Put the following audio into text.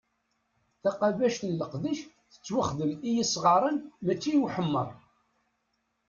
Taqabact n leqḍiɛ tettwaxdem i yesɣaren mači i uḥemmeṛ.